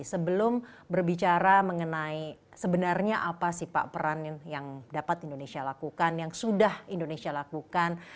sebelum berbicara mengenai sebenarnya apa sih pak peran yang dapat indonesia lakukan yang sudah indonesia lakukan